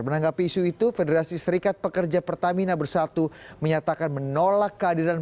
menanggapi isu itu federasi serikat pekerja pertamina bersatu menyatakan menolak kehadiran